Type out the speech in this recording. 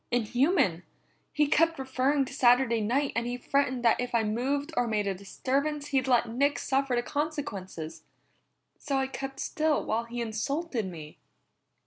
"Inhuman! He kept referring to Saturday night, and he threatened that if I moved or made a disturbance he'd let Nick suffer the consequences. So I kept still while he insulted me."